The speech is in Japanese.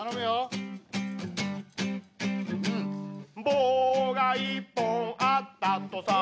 「棒が１本あったとさ」